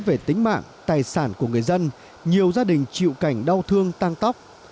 về tính mạng tài sản của người dân nhiều gia đình chịu cảnh đau thương tăng tóc